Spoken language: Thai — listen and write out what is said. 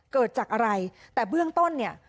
เกิดจากอะไรแต่เบื้องต้นเนี่ย